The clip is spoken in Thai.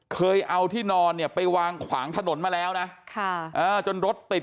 เคยเอาที่นอนเนี่ยไปวางขวางถนนมาแล้วนะจนรถติด